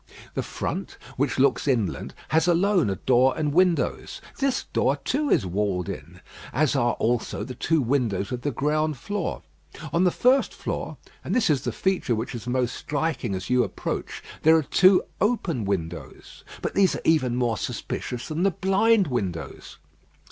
The front, which looks inland, has alone a door and windows. This door, too, is walled in, as are also the two windows of the ground floor. On the first floor and this is the feature which is most striking as you approach there are two open windows; but these are even more suspicious than the blind windows.